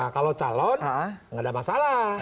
kalau calon nggak ada masalah